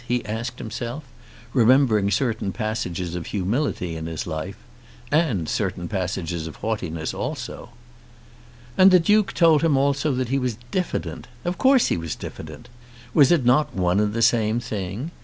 he asked himself, remembering certain passages of humility in his life, and certain passages of haughtiness also. And the Duke told him also that he was diffident. Of course he was diffident. Was it not one and the same thing?